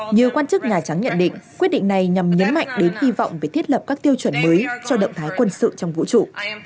nhiều quan chức nhà trắng nhận định quyết định này nhằm nhấn mạnh đến hy vọng về thiết lập các tiêu chuẩn mới cho động thái quân sự trong vũ trụ